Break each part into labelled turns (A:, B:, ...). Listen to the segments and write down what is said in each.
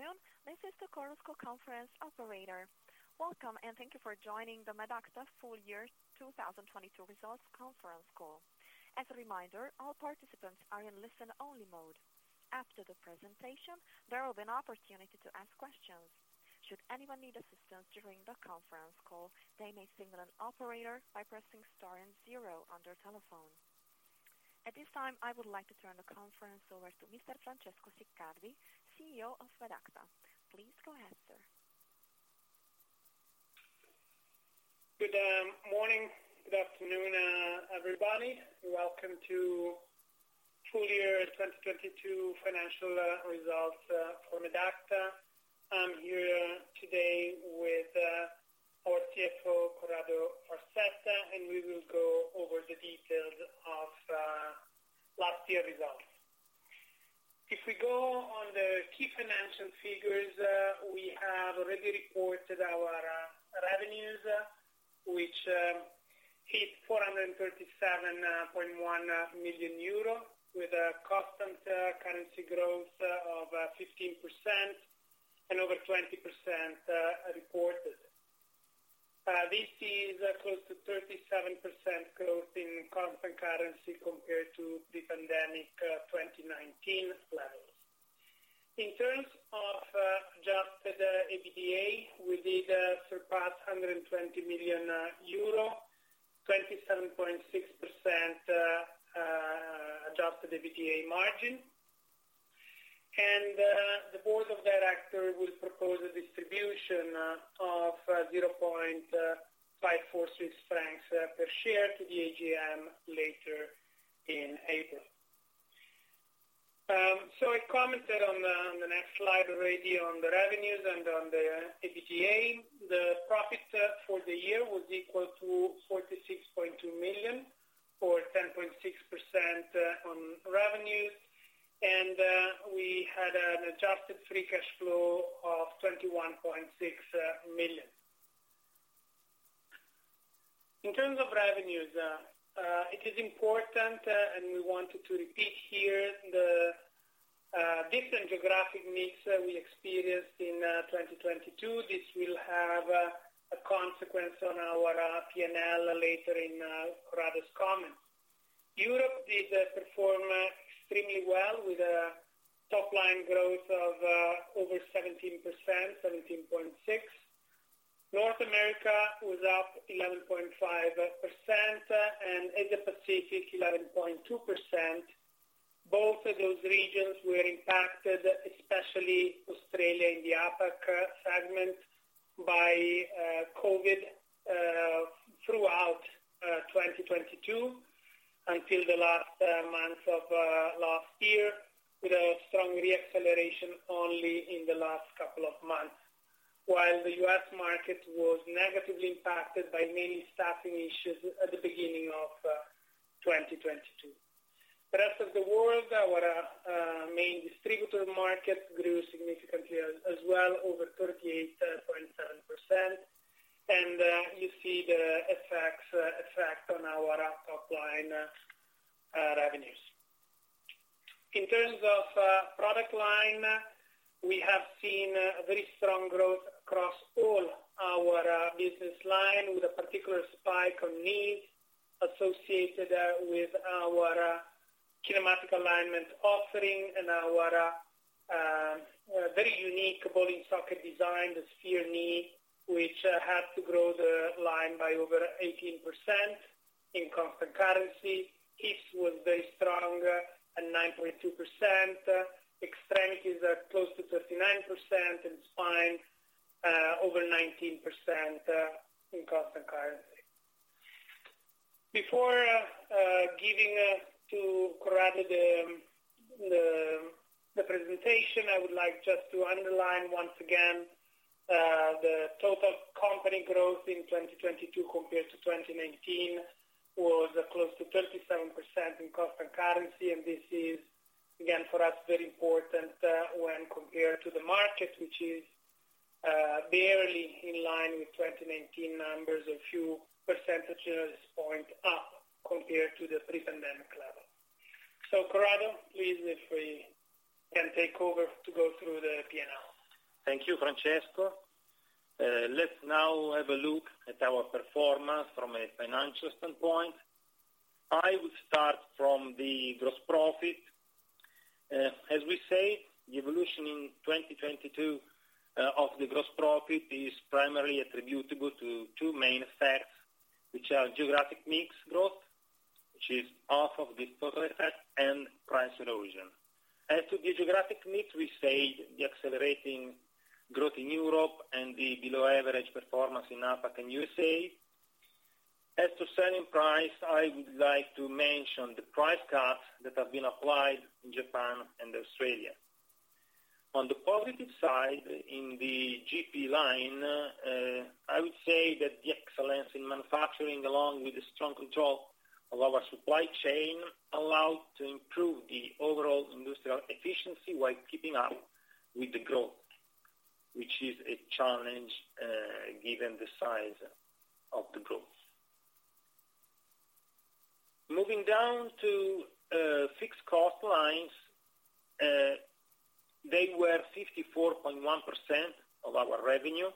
A: Afternoon. This is the Chorus Call Conference Operator. Welcome. Thank you for joining the Medacta Full Year 2022 Results Conference Call. As a reminder, all participants are in listen-only mode. After the presentation, there will be an opportunity to ask questions. Should anyone need assistance during the conference call, they may signal an operator by pressing star and zero on their telephone. At this time, I would like to turn the conference over to Mr. Francesco Siccardi, CEO of Medacta. Please go ahead, sir.
B: Good morning. Good afternoon, everybody. Welcome to full year 2022 financial results for Medacta. I'm here today with our CFO, Corrado Farsetta, and we will go over the details of last year results. If we go on the key financial figures, we have already reported our revenues, which hit EUR 437.1 million, with a constant currency growth of 15% and over 20% reported. This is close to 37% growth in constant currency compared to the pandemic 2019 levels. In terms of Adjusted EBITDA, we did surpass EUR 120 million, 27.6% Adjusted EBITDA margin. The board of director will propose a distribution of 0.546 Swiss francs per share to the AGM later in April. I commented on the next slide already on the revenues and on the EBITDA. The profit for the year was equal to 46.2 million or 10.6% on revenues. We had an adjusted free cash flow of 21.6 million. In terms of revenues, it is important, and we wanted to repeat here the different geographic mix that we experienced in 2022. This will have a consequence on our PNL later in Corrado's comments. Europe did perform extremely well with a top line growth of over 17%, 17.6%. North America was up 11.5%, and Asia Pacific 11.2%. Both of those regions were impacted, especially Australia in the APAC segment, by COVID, throughout 2022, until the last months of last year, with a strong re-acceleration only in the last couple of months. While the US market was negatively impacted by many staffing issues at the beginning of 2022. The rest of the world, our main distributor market grew significantly as well over 38.7%. You see the effect on our top line revenues. In terms of product line, we have seen a very strong growth across all our business line, with a particular spike on knees associated with our kinematic alignment offering and our very unique ball and socket design, the GMK Sphere, which helped to grow the line by over 18% in constant currency. Hips was very strong at 9.2%. Extremities are close to 39%, and spine over 19% in constant currency. Before giving to Corrado the presentation, I would like just to underline once again the total company growth in 2022 compared to 2019 was close to 37% in constant currency. This is again, for us, very important, when compared to the market, which is barely in line with 2019 numbers, a few percentages point up compared to the pre-pandemic level. Corrado, please if we can take over to go through the PNL.
C: Thank you, Francesco. Let's now have a look at our performance from a financial standpoint. I will start from the gross profit. As we said, the evolution in 2022 of the gross profit is primarily attributable to 2 main effects, which are geographic mix growth, which is half of this total effect, and price erosion. As to the geographic mix, we say the accelerating growth in Europe and the below average performance in APAC and USA. As to selling price, I would like to mention the price cuts that have been applied in Japan and Australia. On the positive side, in the GP line, I would say that the excellence in manufacturing along with the strong control of our supply chain allowed to improve the overall industrial efficiency while keeping up with the growth, which is a challenge, given the size of the growth. Moving down to fixed cost lines, they were 54.1% of our revenue.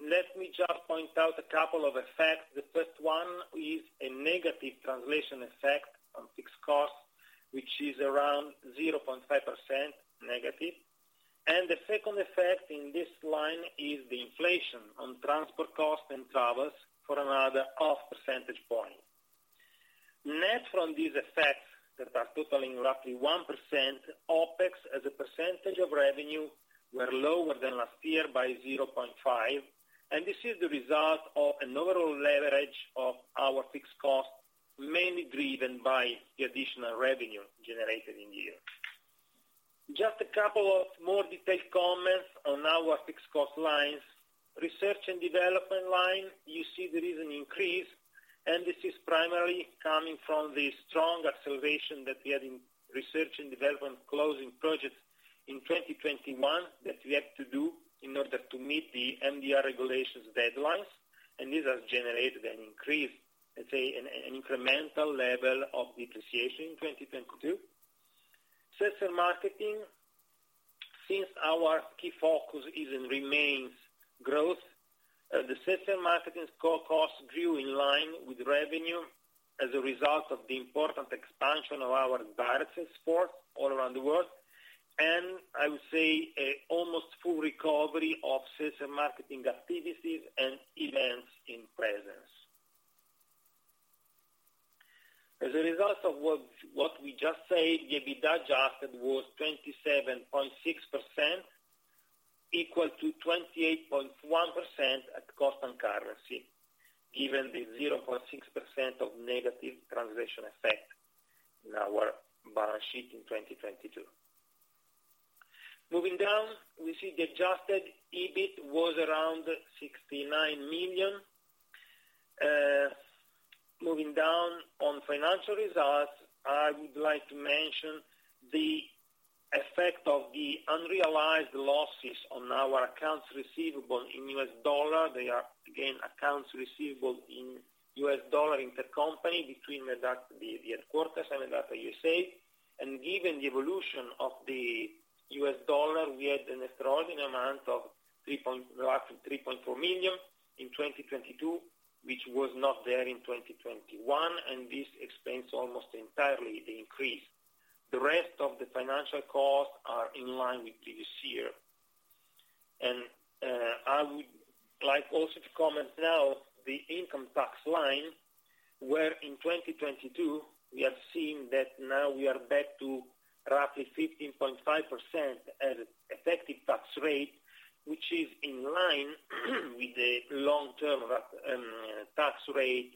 C: Let me just point out a couple of effects. The first one is a negative translation effect on fixed costs, which is around 0.5% negative. The second effect in this line is the inflation on transport costs and travels for another half percentage point. Net from these effects that are totaling roughly 1%, OpEx as a percentage of revenue were lower than last year by 0.5%. This is the result of an overall leverage of our fixed costs, mainly driven by the additional revenue generated in the year. Just a couple of more detailed comments on our fixed cost lines. Research and development line, you see there is an increase. This is primarily coming from the strong acceleration that we had in research and development closing projects in 2021 that we had to do in order to meet the MDR regulations deadlines. These have generated an increase, an incremental level of depreciation in 2022. Sales and marketing, since our key focus is and remains growth, the sales and marketing co-costs grew in line with revenue as a result of the important expansion of our direct sales force all around the world. I would say, a almost full recovery of sales and marketing activities and events in presence. As a result of what we just said, the EBITDA adjusted was 27.6%, equal to 28.1% at cost and currency, given the 0.6% of negative translation effect in our balance sheet in 2022. Moving down, we see the adjusted EBIT was around 69 million. Moving down on financial results, I would like to mention the effect of the unrealized losses on our accounts receivable in US dollar. They are, again, accounts receivable in US dollar intercompany between Medacta, the headquarters and Medacta USA. Given the evolution of the US dollar, we had an extraordinary amount of roughly $3.4 million in 2022, which was not there in 2021, and this explains almost entirely the increase. The rest of the financial costs are in line with previous year. I would like also to comment now the income tax line, where in 2022, we have seen that now we are back to roughly 15.5% as effective tax rate, which is in line with the long-term tax rate,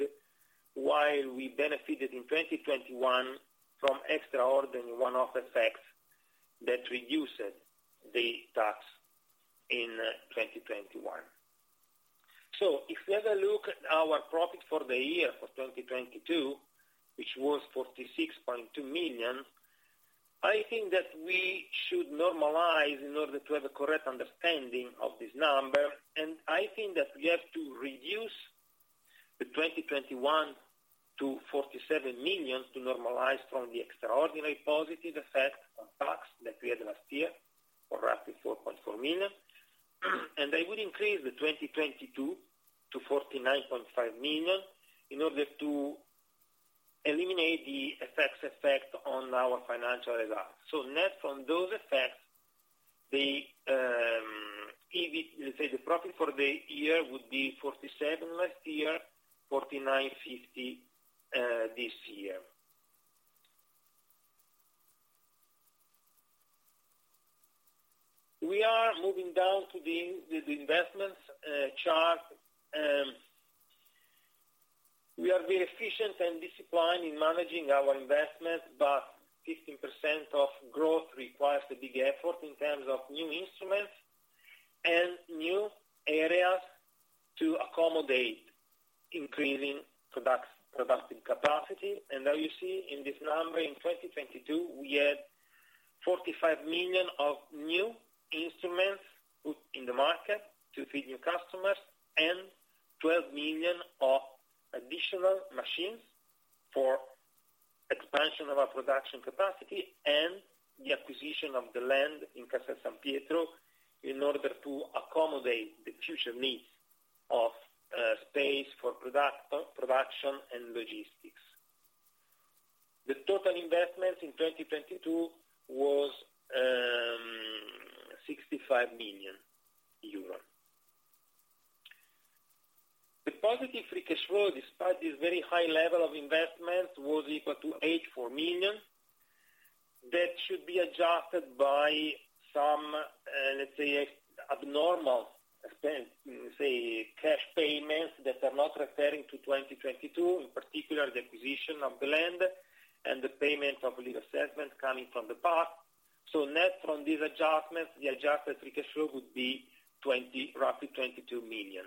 C: while we benefited in 2021 from extraordinary one-off effects that reduced the tax in 2021. If we have a look at our profit for the year for 2022, which was 46.2 million, I think that we should normalize in order to have a correct understanding of this number. I think that we have to reduce the 2021 to 47 million to normalize from the extraordinary positive effect on tax that we had last year for roughly 4.4 million. I would increase the 2022 to 49.5 million in order to eliminate the FX effect on our financial results. Net from those effects, the EBIT, let's say the profit for the year would be 47 last year, 49.5 this year. We are moving down to the investments chart. We are very efficient and disciplined in managing our investments, 15% of growth requires a big effort in terms of new instruments and new areas to accommodate increasing productive capacity. Now you see in this number, in 2022, we had 45 million of new instruments put in the market to feed new customers and 12 million of additional machines for expansion of our production capacity and the acquisition of the land in Castel San Pietro in order to accommodate the future needs of space for production and logistics. The total investments in 2022 was EUR 65 million. The positive free cash flow, despite this very high level of investment, was equal to 84 million. That should be adjusted by some, let's say, abnormal expense, say, cash payments that are not referring to 2022, in particular the acquisition of the land and the payment of legal assessment coming from the past. Net from this adjustment, the adjusted free cash flow would be roughly 22 million.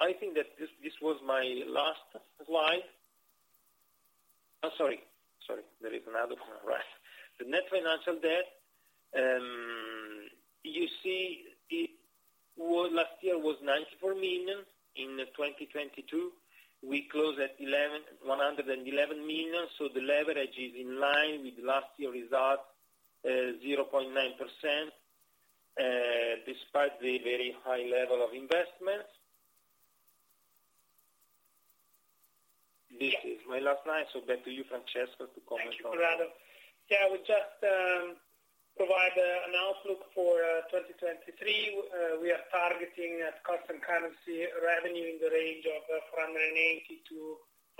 C: I think that this was my last slide. Sorry, sorry. There is another one, right? The net financial debt, you see last year was 94 million. In 2022, we closed at 111 million. The leverage is in line with last year result, 0.9%, despite the very high level of investments. This is my last slide, so back to you, Francesco, to comment on.
B: Thank you, Corrado. Yeah, we just provide an outlook for 2023. We are targeting at constant currency revenue in the range of 480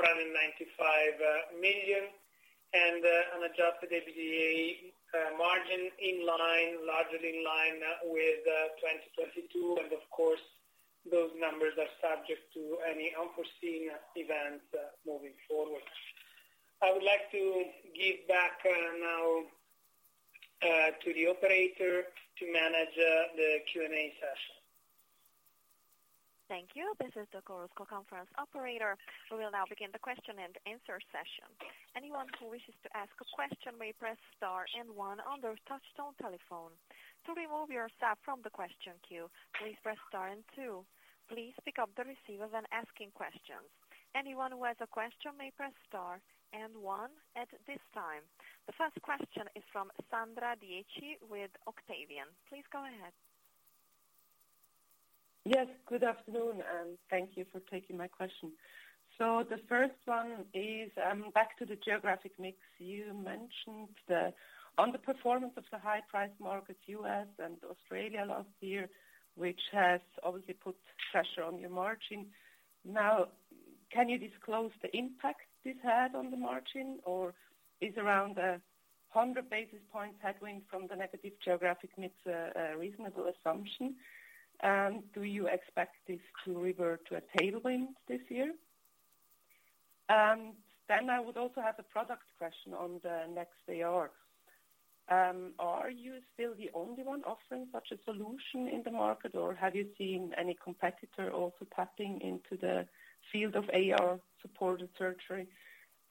B: million-495 million. An Adjusted EBITDA margin in line, largely in line with 2022. Of course, those numbers are subject to any unforeseen events moving forward. I would like to give back now to the operator to manage the Q&A session.
A: Thank you. This is the Chorus Call conference operator. We will now begin the question and answer session. Anyone who wishes to ask a question may press star and one on their touchtone telephone. To remove yourself from the question queue, please press star and two. Please pick up the receivers when asking questions. Anyone who has a question may press star and one at this time. The first question is from Sandra Dietschy with Octavian. Please go ahead.
D: Yes, good afternoon, thank you for taking my question. The first one is back to the geographic mix. You mentioned on the performance of the high price markets, US and Australia last year, which has obviously put pressure on your margin. Can you disclose the impact this had on the margin? Is around 100 basis points headwind from the negative geographic mix a reasonable assumption? Do you expect this to revert to a tailwind this year? I would also have a product question on the NextAR. Are you still the only one offering such a solution in the market, or have you seen any competitor also tapping into the field of AR supported surgery?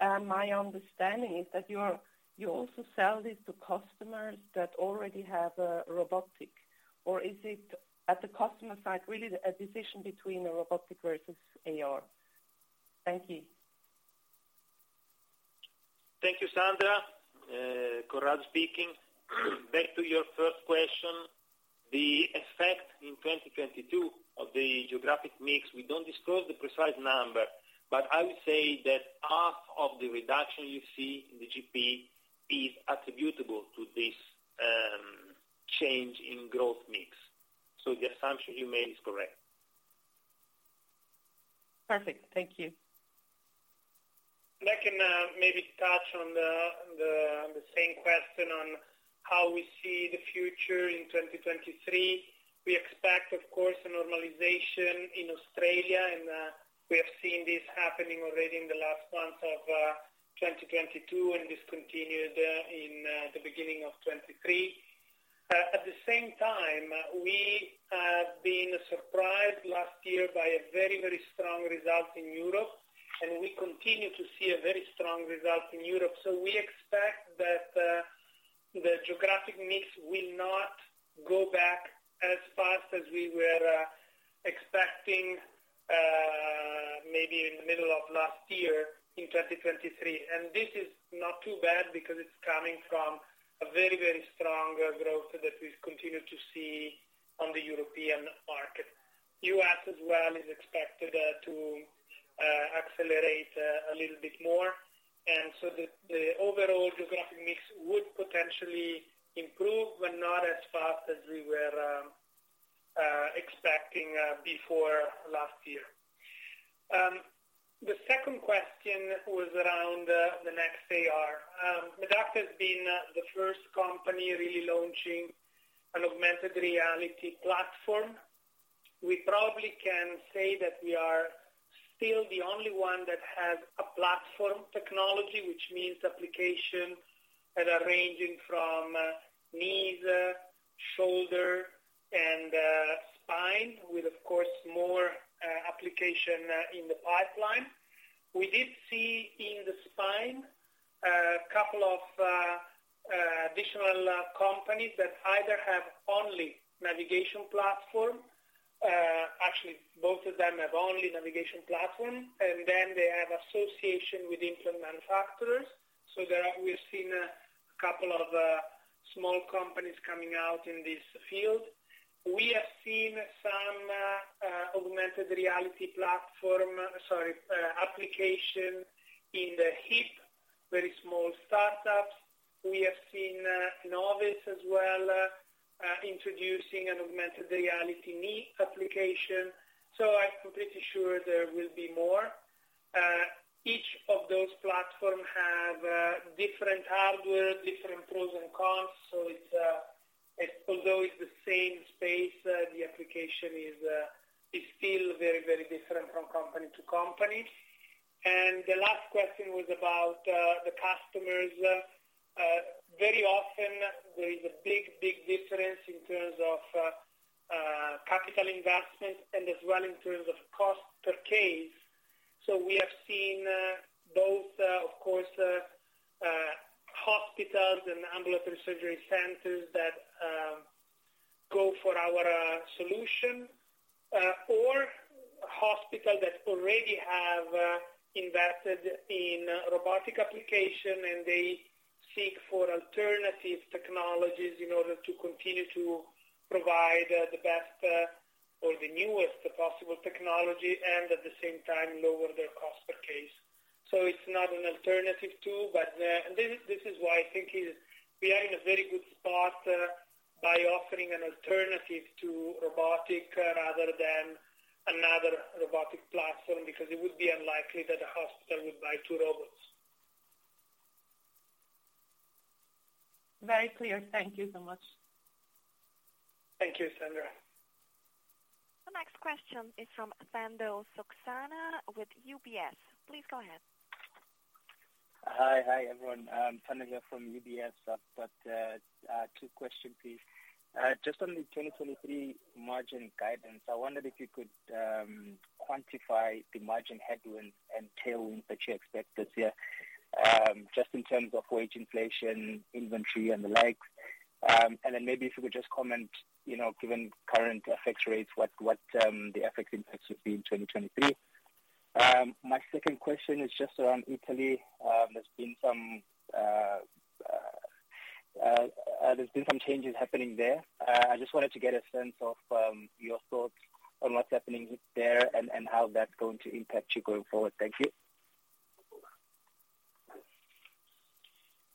D: My understanding is that you also sell this to customers that already have robotic. Is it at the customer side really a decision between a robotic versus AR? Thank you.
C: Thank you, Sandra. Corrado speaking. Back to your first question. The effect in 2022 of the geographic mix, we don't disclose the precise number, but I would say that half of the reduction you see in the GP is attributable to this change in growth mix. The assumption you made is correct.
D: Perfect. Thank you.
B: I can maybe touch on the same question on how we see the future in 2023. We expect, of course, a normalization in Australia, and we have seen this happening already in the last months of 2022, and this continued in the beginning of 2023. At the same time, we have been surprised last year by a very strong result in Europe, and we continue to see a very strong result in Europe. We expect that the geographic mix will not go back as fast as we were expecting maybe in the middle of last year in 2023. This is not too bad because it's coming from a very strong growth that we've continued to see on the European market. U.S. as well is expected to accelerate a little bit more. The overall geographic mix would potentially improve, but not as fast as we were expecting before last year. The second question was around the NextAR. Medacta has been the first company really launching an augmented reality platform. We probably can say that we are still the only one that has a platform technology, which means application that are ranging from knees, shoulder and spine with of course, more application in the pipeline. We did see in the spine a couple of additional companies that either have only navigation platform. Actually, both of them have only navigation platform, and then they have association with implant manufacturers. There we've seen a couple of small companies coming out in this field. We have seen some augmented reality platform, sorry, application in the hip, very small startups. We have seen Novus as well introducing an augmented reality knee application. I'm completely sure there will be more. Each of those platform have different hardware, different pros and cons. It's, although it's the same space, the application is still very, very different from company to company. And the last question was about the customers. Very often there is a big, big difference in terms of- Capital investment and as well in terms of cost per case. We have seen, both, of course, hospitals and Ambulatory Surgery Centers that go for our solution. Hospitals that already have invested in robotic application, and they seek for alternative technologies in order to continue to provide the best, or the newest possible technology and at the same time lower their cost per case. It's not an alternative to, but, this is why I think is we are in a very good spot by offering an alternative to robotic rather than another robotic platform, because it would be unlikely that a hospital would buy two robots.
D: Very clear. Thank you so much.
B: Thank you, Sandra.
A: The next question is from Thando Skosana with UBS. Please go ahead.
E: Hi, everyone. Thando here from UBS. I've got 2 question, please. Just on the 2023 margin guidance, I wondered if you could quantify the margin headwinds and tailwinds that you expect this year, just in terms of wage inflation, inventory and the like. Maybe if you could just comment, you know, given current effect rates, what the effects impacts would be in 2023. My second question is just around Italy. There's been some changes happening there. I just wanted to get a sense of your thoughts on what's happening there and how that's going to impact you going forward. Thank you.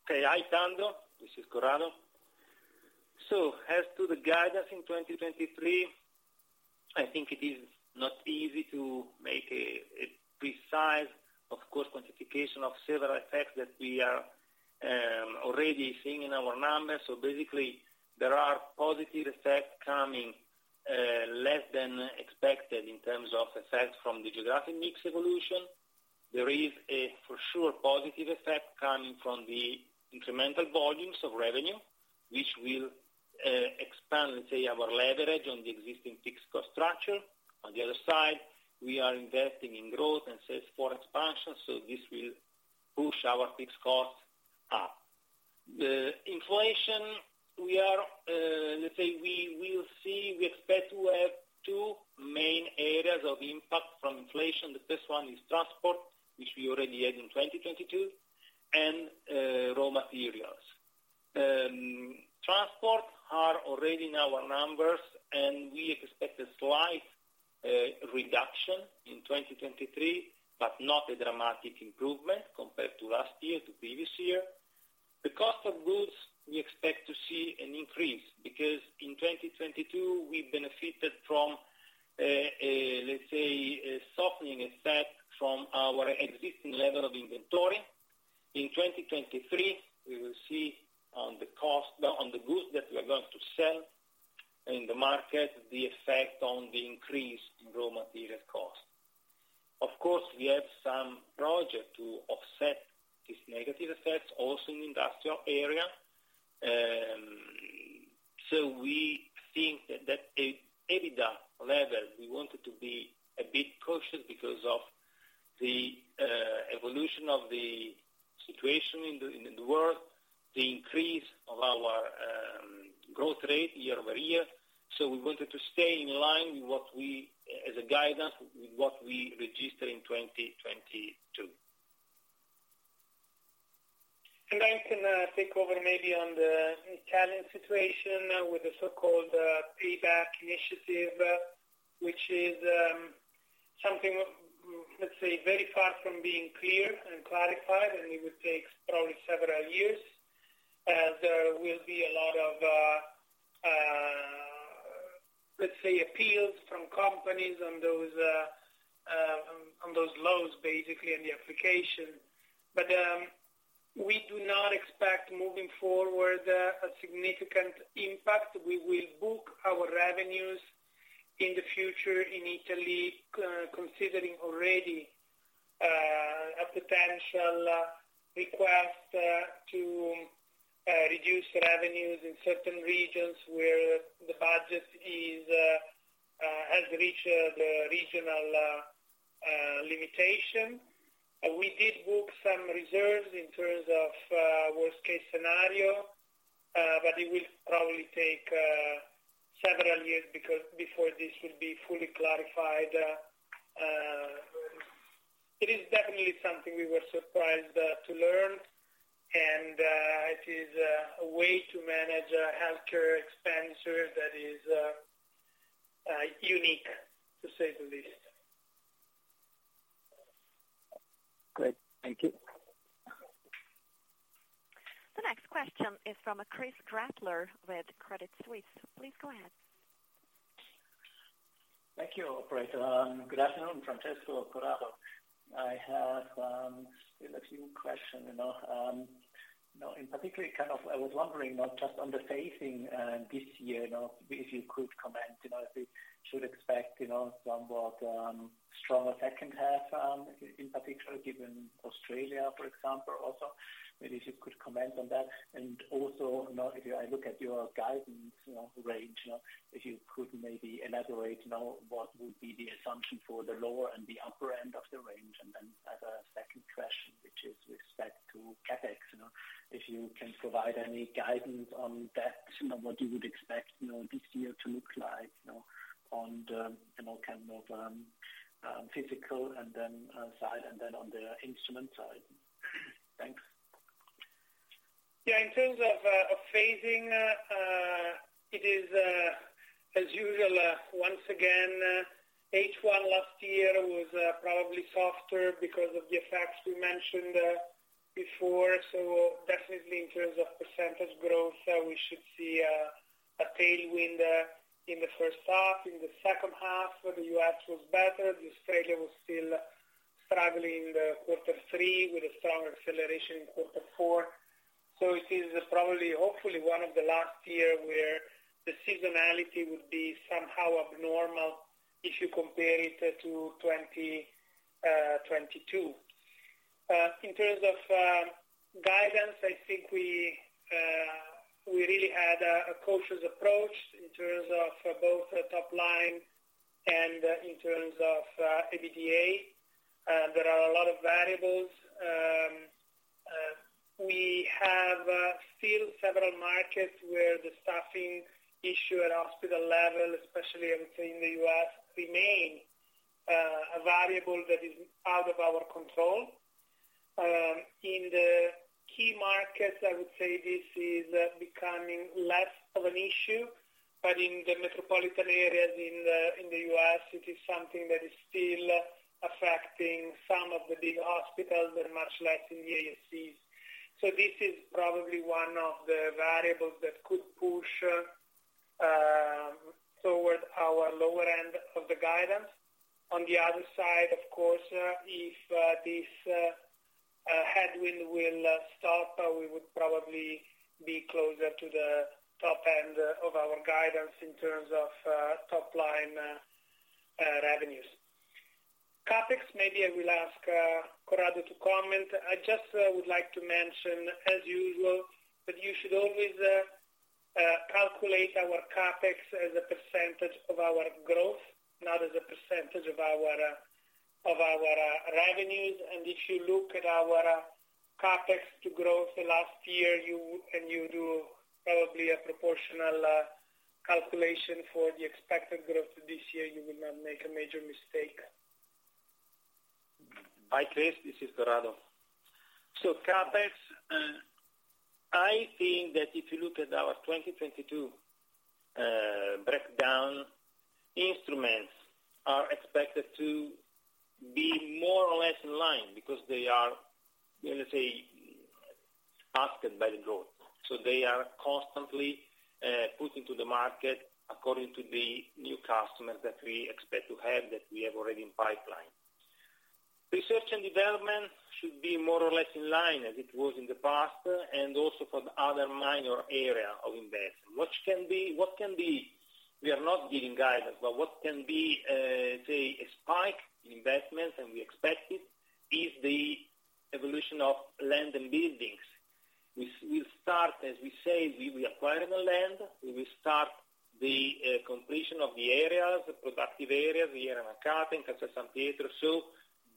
C: Okay. Hi, Thando. This is Corrado. As to the guidance in 2023, I think it is not easy to make a precise, of course, quantification of several effects that we are already seeing in our numbers. Basically, there are positive effects coming less than expected in terms of effects from the geographic mix evolution. There is a for sure positive effect coming from the incremental volumes of revenue, which will expand, let's say, our leverage on the existing fixed cost structure. On the other side, we are investing in growth and sales for expansion, so this will push our fixed costs up. The inflation, we are, let's say we will see, we expect to have two main areas of impact from inflation. The first one is transport, which we already had in 2022, and raw materials. Transport are already in our numbers. We expect a slight reduction in 2023, but not a dramatic improvement compared to last year, to previous year. The cost of goods, we expect to see an increase because in 2022 we benefited from let's say a softening effect from our existing level of inventory. In 2023, we will see on the cost, on the goods that we are going to sell in the market, the effect on the increased raw material cost. We have some project to offset this negative effect also in industrial area. We think that, at EBITDA level, we wanted to be a bit cautious because of the evolution of the situation in the world, the increase of our growth rate year-over-year. We wanted to stay in line with what we, as a guidance, with what we registered in 2022.
B: I can take over maybe on the Italian situation with the so-called payback initiative, which is something, let's say, very far from being clear and clarified, and it would take probably several years as there will be a lot of, let's say, appeals from companies on those, on those loans basically, and the application. We do not expect moving forward a significant impact. We will book our revenues in the future in Italy considering already a potential request to reduce revenues in certain regions where the budget has reached the regional limitation. We did book some reserves in terms of worst case scenario, but it will probably take several years before this will be fully clarified.It is definitely something we were surprised to learn. It is a way to manage healthcare expenditure that is unique to say the least.
E: Great. Thank you.
A: The next question is from Christoph Gretler with Credit Suisse. Please go ahead.
F: Thank you, operator. Good afternoon, Francesco, Corrado. I have a few question, you know. You know, in particular kind of I was wondering, you know, just on the phasing this year. You know, if you could comment, you know, if we should expect, you know, somewhat stronger second half, in particular, given Australia, for example, also. Maybe if you could comment on that. Also, you know, if I look at your guidance, you know, range, you know, if you could maybe elaborate, you know, what would be the assumption for the lower and the upper end of the range? Second question, which is with respect to CapEx, you know, if you can provide any guidance on that, you know, what you would expect, you know, this year to look like, you know, on the, you know, kind of, physical and then side and then on the instrument side. Thanks.
B: Yeah. In terms of phasing, it is as usual, once again, H1 last year was probably softer because of the effects we mentioned before. Definitely in terms of percentage growth, we should see a tailwind in the first half. In the second half, for the US was better. The Australia was still struggling in the quarter three with a strong acceleration in quarter four. It is probably, hopefully one of the last year where the seasonality would be somehow abnormal if you compare it to 2022. In terms of guidance, I think we really had a cautious approach in terms of both top line and in terms of EBITDA. There are a lot of variables. We have still several markets where the staffing issue at hospital level, especially I would say in the U.S., remain a variable that is out of our control. In the key markets, I would say this is becoming less of an issue, but in the metropolitan areas in the, in the U.S., it is something that is still affecting some of the big hospitals, but much less in the ASCs. This is probably one of the variables that could push towards our lower end of the guidance. On the other side, of course, if this headwind will stop, we would probably be closer to the top end of our guidance in terms of top line revenues. CapEx, maybe I will ask Corrado to comment. I just would like to mention as usual, that you should always calculate our CapEx as a % of our growth, not as a % of our revenues. If you look at our CapEx to growth last year, you, and you do probably a proportional calculation for the expected growth this year, you will not make a major mistake.
C: Hi, Chris. This is Corrado. CapEx, I think that if you look at our 2022 breakdown, instruments are expected to be more or less in line because they are, let's say, asked by the growth. They are constantly put into the market according to the new customers that we expect to have, that we have already in pipeline. Research and development should be more or less in line as it was in the past, also for the other minor area of investment. We are not giving guidance. What can be, say, a spike in investments, we expect it, is the evolution of land and buildings. We'll start, as we say, we'll be acquiring the land. We will start the completion of the areas, productive areas, the area Mercato, Castel San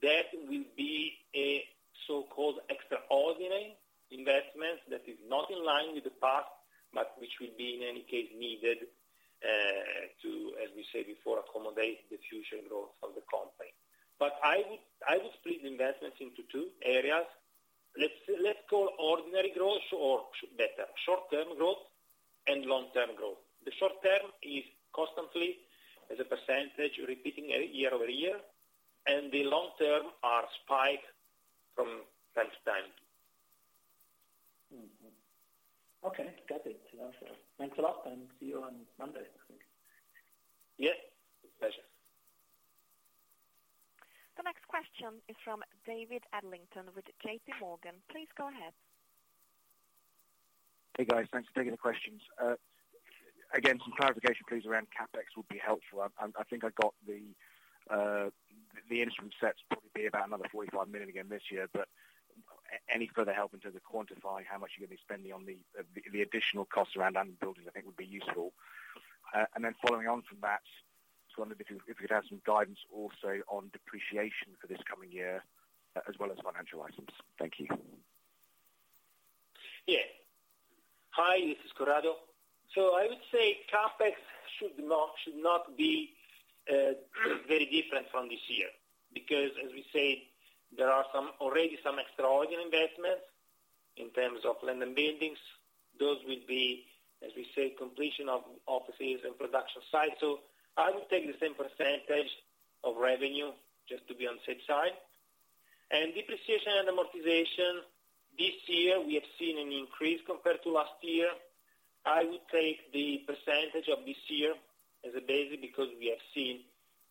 C: Pietro. That will be a so-called extraordinary investment that is not in line with the past, but which will be in any case needed, to, as we said before, accommodate the future growth of the company. I would split investments into two areas. Let's call ordinary growth or better, short-term growth and long-term growth. The short-term is constantly as a % repeating year-over-year, and the long-term are spiked from time to time.
F: Okay. Got it. Thanks a lot and see you on Monday, I think.
C: Yes. Pleasure.
A: The next question is from David Adlington with JPMorgan. Please go ahead.
G: Hey, guys. Thanks for taking the questions. Again, some clarification please around CapEx would be helpful. I think I got the instrument sets probably be about another 45 million again this year, but any further help in terms of quantifying how much you're gonna be spending on the additional costs around on buildings, I think would be useful. Then following on from that, just wondering if you could have some guidance also on depreciation for this coming year, as well as financial items. Thank you.
C: Hi, this is Corrado. I would say CapEx should not be very different from this year because as we said, there are already some extraordinary investments in terms of land and buildings. Those will be, as we said, completion of offices and production sites. I would take the same percentage of revenue just to be on safe side. Depreciation and amortization, this year we have seen an increase compared to last year. I would take the percentage of this year as a base because we have seen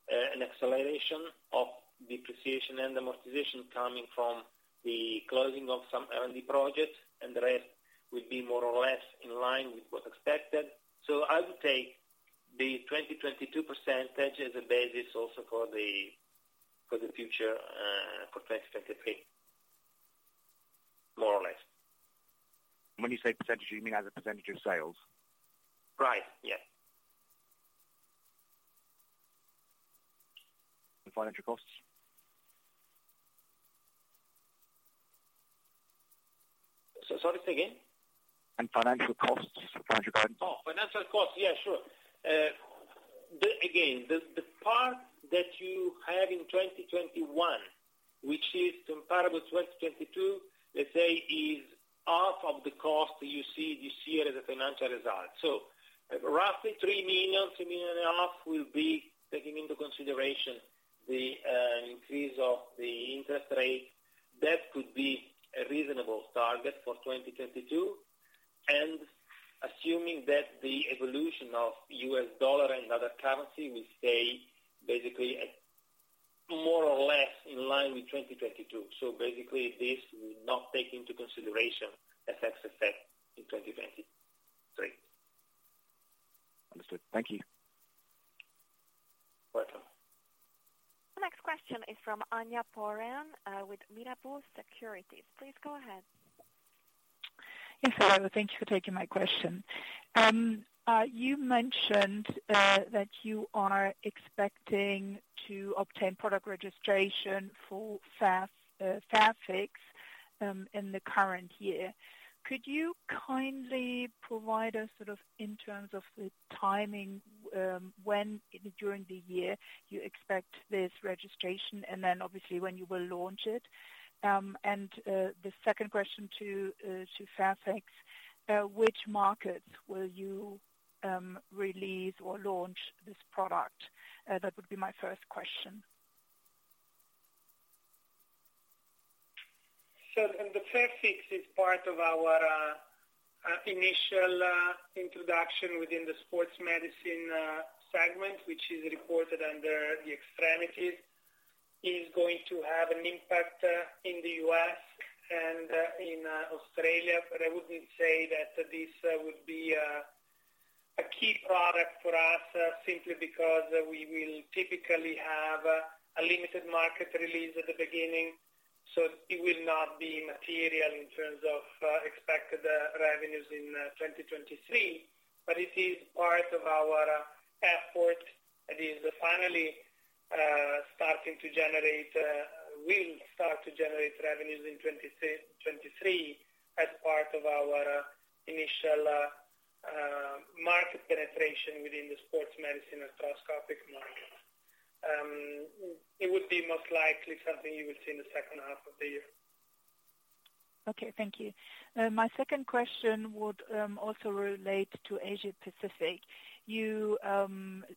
C: an acceleration of depreciation and amortization coming from the closing of some R&D projects. The rest will be more or less in line with what's expected. I would take the 2022 percentage as a basis also for the future, for 2023, more or less.
G: When you say percentage, you mean as a percentage of sales?
C: Right. Yes.
G: Financial costs?
C: Sorry, say again.
G: Financial costs for 2022?
C: Oh, financial costs. Yeah, sure. Again, the part that you have in 2021, which is comparable to 2022, let's say, is half of the cost you see this year as a financial result. Roughly 3 million, 3 million and a half will be taking into consideration the increase of the interest rate. That could be a reasonable target for 2022. Assuming that the evolution of US dollar and other currency will stay basically at more or less in line with 2022. Basically this will not take into consideration FX effect in 2023.
G: Understood. Thank you.
C: Welcome.
A: The next question is from Anja Poropat with Mirabaud Securities. Please go ahead.
H: Yes. Hello. Thank you for taking my question. You mentioned that you are expecting to obtain product registration for FasFix in the current year. Could you kindly provide a sort of in terms of the timing, when during the year you expect this registration? Obviously when you will launch it. The second question to FasFix, which markets will you release or launch this product? That would be my first question.
B: The FasFix is part of our initial introduction within the sports medicine segment, which is reported under the extremities. Is going to have an impact in the U.S. and in Australia. I wouldn't say that this would be a key product for us simply because we will typically have a limited market release at the beginning, so it will not be material in terms of expected revenues in 2023. It is part of our effort. It is finally will start to generate revenues in 2023 as part of our initial market penetration within the sports medicine arthroscopic market. It would be most likely something you would see in the second half of the year.
H: Okay, thank you. My second question would also relate to Asia Pacific. You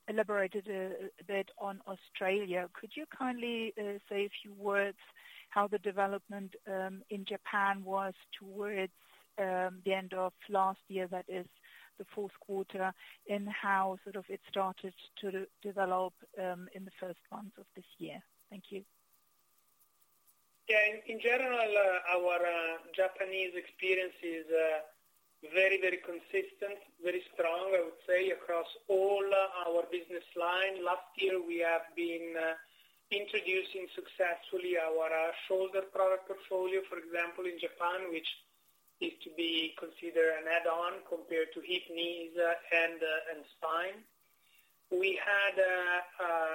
H: elaborated a bit on Australia. Could you kindly say a few words how the development in Japan was towards the end of last year, that is the fourth quarter, and how sort of it started to de-develop in the first months of this year? Thank you.
B: Yeah. In general, our Japanese experience is very, very consistent, very strong, I would say, across all our business line. Last year we have been introducing successfully our shoulder product portfolio, for example, in Japan, which is to be considered an add-on compared to hip, knees, hand, and spine. We had,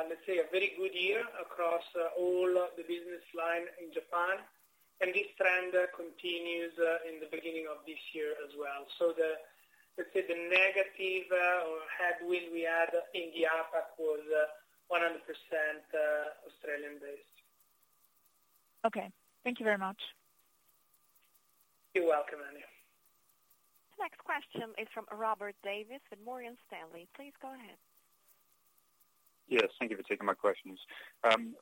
B: let's say a very good year across all the business line in Japan, and this trend continues in the beginning of this year as well. The, let's say the negative, or headwind we had in the APAC was 100% Australian based.
H: Okay. Thank you very much.
B: You're welcome, Anya.
A: The next question is from Robert Davis with Morgan Stanley. Please go ahead.
I: Yes, thank you for taking my questions.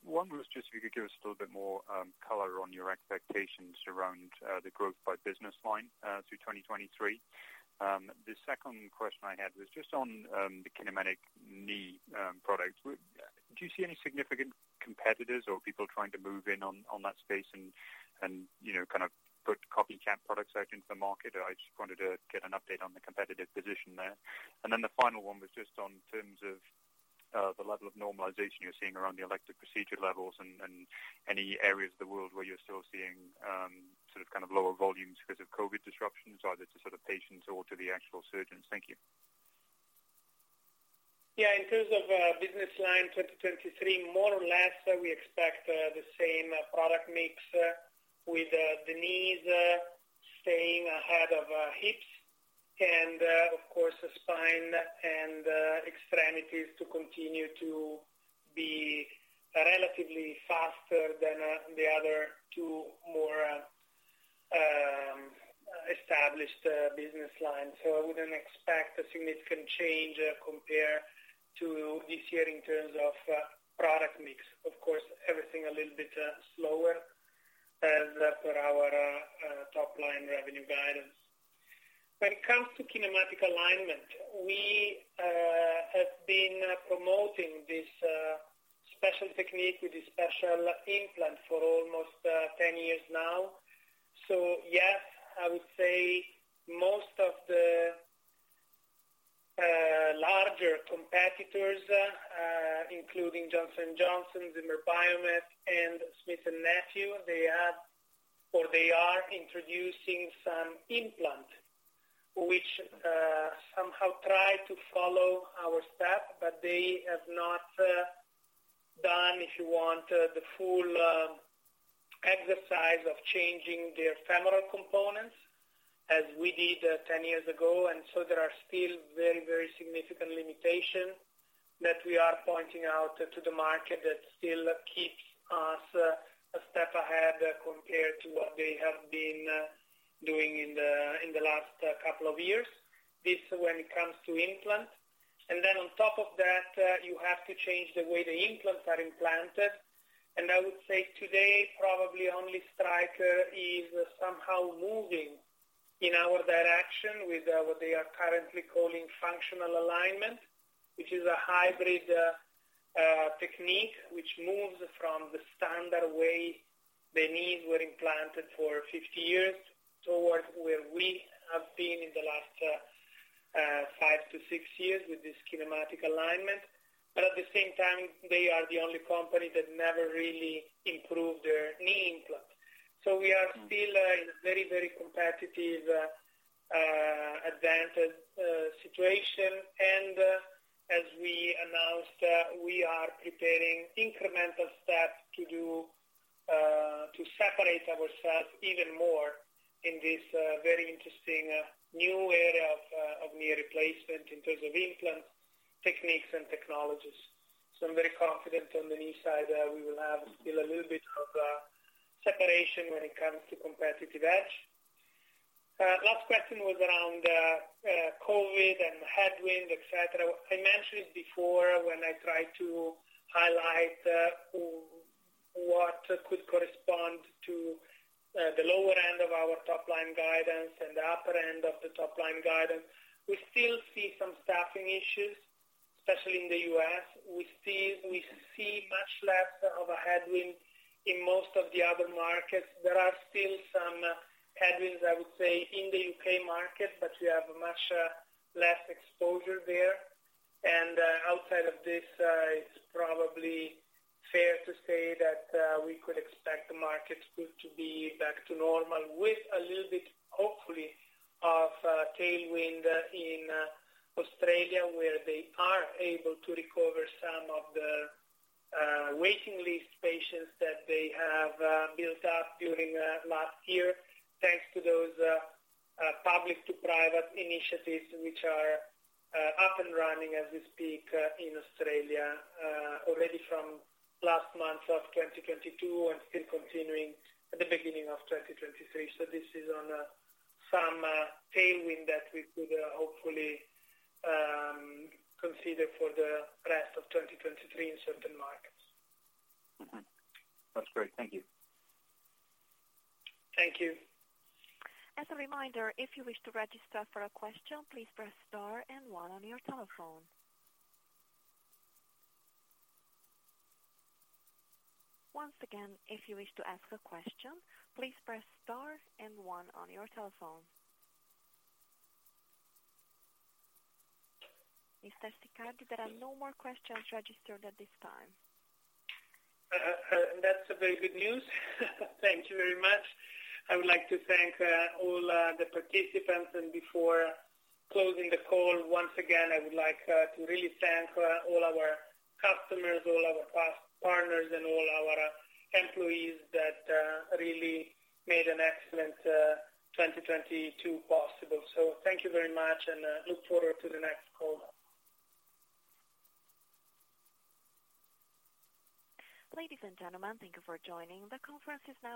I: One was just if you could give us a little bit more color on your expectations around the growth by business line through 2023. The second question I had was just on the kinematic knee product. Do you see any significant competitors or people trying to move in on that space and, you know, kind of put copycat products out into the market? I just wanted to get an update on the competitive position there. The final one was just on terms of the level of normalization you're seeing around the elective procedure levels and any areas of the world where you're still seeing sort of lower volumes because of COVID disruptions, either to patients or to the actual surgeons. Thank you.
B: Yeah. In terms of business line 2023, more or less, we expect the same product mix with the knees staying ahead of hips and of course spine and extremities to continue to be relatively faster than the other two more established business lines. I wouldn't expect a significant change compared to this year in terms of product mix. Of course, everything a little bit slower as per our top line revenue guidance. When it comes to kinematic alignment, we have been promoting this special technique with a special implant for almost 10 years now. Yes, I would say most of the larger competitors, including Johnson & Johnson, Zimmer Biomet and Smith & Nephew, they have or they are introducing some implant which somehow try to follow our step, but they have not done, if you want, the full exercise of changing their femoral components as we did 10 years ago. There are still very significant limitations that we are pointing out to the market that still keeps us a step ahead compared to what they have been doing in the last couple of years. This when it comes to implant. On top of that, you have to change the way the implants are implanted. I would say today, probably only Stryker is somehow moving in our direction with what they are currently calling functional alignment, which is a hybrid technique which moves from the standard way the knees were implanted for 50 years towards where we have been in the last 5 to 6 years with this kinematic alignment. At the same time, they are the only company that never really improved their knee implant. We are still in a very, very competitive advanced situation. As we announced, we are preparing incremental steps to do to separate ourselves even more in this very interesting new area of knee replacement in terms of implant techniques and technologies. I'm very confident on the knee side, we will have still a little bit of separation when it comes to competitive edge. Last question was around COVID and headwinds, et cetera. I mentioned before when I tried to highlight what could correspond to the lower end of our top-line guidance and the upper end of the top-line guidance. We still see some staffing issues, especially in the U.S. We see much less of a headwind in most of the other markets. There are still some headwinds, I would say, in the U.K. market, but we have much less exposure there. Outside of this, it's probably fair to say that we could expect the markets good to be back to normal with a little bit hopefully of tailwind in Australia, where they are able to recover some of the waiting list patients that they have built up during last year, thanks to those public to private initiatives which are up and running as we speak in Australia, already from last month of 2022 and still continuing at the beginning of 2023. This is on some tailwind that we could hopefully consider for the rest of 2023 in certain markets.
I: Mm-hmm. That's great. Thank you.
B: Thank you.
A: As a reminder, if you wish to register for a question, please press star and one on your telephone. Once again, if you wish to ask a question, please press star and one on your telephone. Mr. Siccardi, there are no more questions registered at this time.
B: That's a very good news. Thank you very much. I would like to thank, all, the participants. Before closing the call, once again, I would like, to really thank, all our customers, all our partners, and all our employees that, really made an excellent, 2022 possible. Thank you very much, and look forward to the next call.
A: Ladies and gentlemen, thank you for joining. The conference is now concluded.